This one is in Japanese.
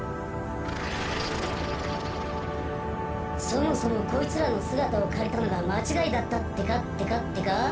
そもそもこいつらのすがたをかりたのがまちがいだったってかってかってか。